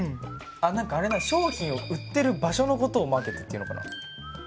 何かあれだ商品を売ってる場所のことをマーケットっていうのかな？